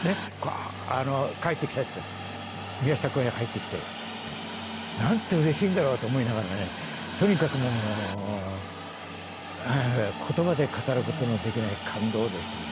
帰ってきた人たち宮下公園入ってきてなんてうれしいんだろうと思いながらねとにかくもう言葉で語ることのできない感動でしたね。